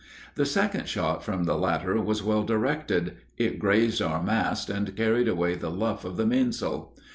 The second shot from the latter was well directed; it grazed our mast and carried away the luff of the mainsail.